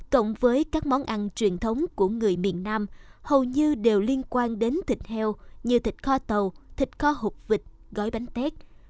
cộng với các món ăn truyền thống của người miền nam hầu như đều liên quan đến thịt heo như thịt kho tàu thịt co hụt vịt gói bánh tét